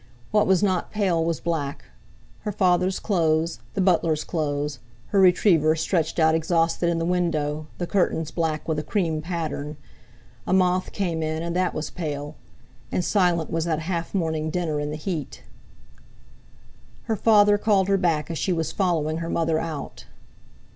What was not pale was black—her father's clothes, the butler's clothes, her retriever stretched out exhausted in the window, the curtains black with a cream pattern. A moth came in, and that was pale. And silent was that half mourning dinner in the heat. Her father called her back as she was following her mother out.